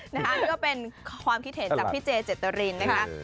นะคะนี่ก็เป็นความคิเทศจากพี่เจเจตรินนะคะสลัด